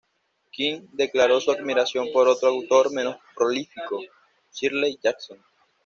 King declaró su admiración por otro autor menos prolífico, Shirley Jackson.